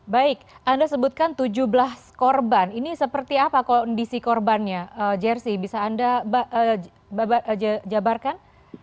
baik anda sebutkan tujuh belas korban ini seperti apa kondisi korbannya jersi bisa anda jabarkan